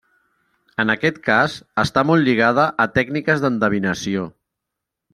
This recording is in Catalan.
En aquest cas, està molt lligada a tècniques d'endevinació.